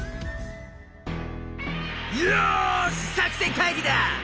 よし作戦会議だ！